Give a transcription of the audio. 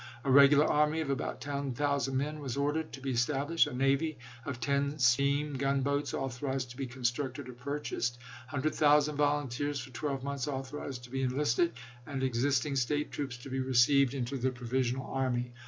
A regular army of about 10,000 men was ordered to be established ; a navy of 10 steam gun boats authorized to be constructed or purchased; 100,000 volunteers for 12 months authorized to be enlisted, and existing State troops to be received into the provisional army.